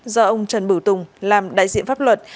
do ông trần bửu tùng làm đại diện pháp luật